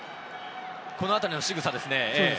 このあたりのしぐさですね。